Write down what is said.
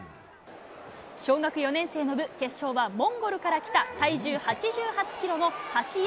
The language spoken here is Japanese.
小学４年生の部、決勝はモンゴルから来た体重８８キロのハシエ・